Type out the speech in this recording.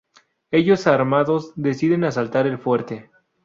Ellos armados deciden asaltar el fuerte.